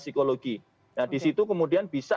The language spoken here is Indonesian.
psikologi nah disitu kemudian bisa